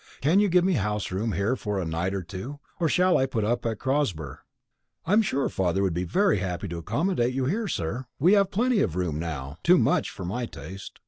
Can you give me house room here for a night or two, or shall I put up at Crosber?" "I'm sure father would be very happy to accommodate you here, sir. We've plenty of room now; too much for my taste.